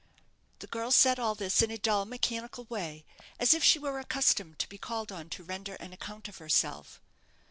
The girl said all this in a dull, mechanical way, as if she were accustomed to be called on to render an account of herself.